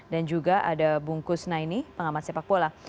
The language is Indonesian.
dan juga ada bungkus naini pengamat sepak bola